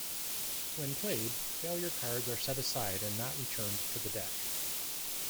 When played, failure cards are set aside and not returned to the deck.